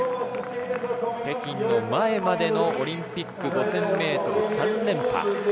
北京の前までのオリンピック５０００ｍ、３連覇。